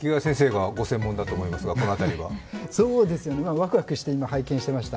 わくわくして今拝見していました。